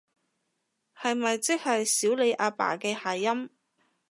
係咪即係少理阿爸嘅諧音？